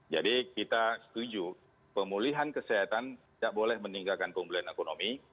jadi kita setuju pemulihan kesehatan tidak boleh meninggalkan pemulihan ekonomi